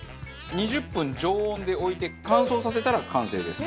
２０分常温で置いて乾燥させたら完成です。